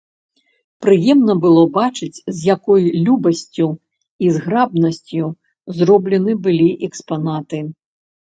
Прыемна было бачыць, з якою любасцю і зграбнасцю зроблены былі экспанаты.